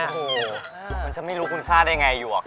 โอ้โหมันจะไม่รู้คุณค่าได้ไงหยวก